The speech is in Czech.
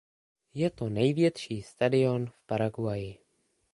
Je to největší stadion v Paraguayi.